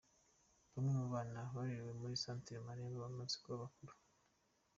Bamwe mu bana barerewe muri Centre Marembo bamaze kuba bakuru.